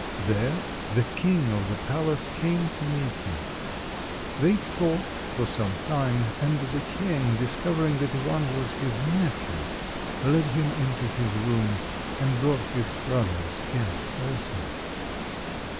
There the king of the palace came to meet him. They talked for some time, and the king, discovering that Ivan was his nephew, led him into his room, and brought his brothers in also.